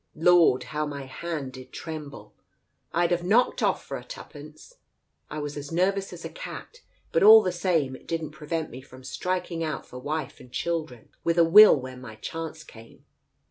Lord, how my hand did tremble I I'd have knocked off for two pence. I was as nervous as a cat, but all the same, it didn't prevent me from striking out for wife and children with a will when my chance came.